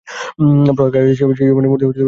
প্রহার খাইয়া সেই রমণীর মূর্তি অতি ভীষণ হইয়া উঠিল।